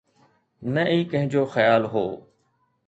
نه ئي ڪنهن جو خيال هو